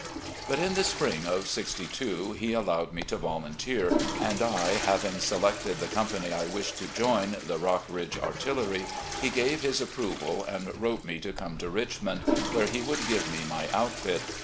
..." But in the spring of '62 he allowed me to volunteer, and I having selected the company I wished to join, the Rockbridge Artillery, he gave his approval, and wrote me to come to Richmond, where he would give me my outfit.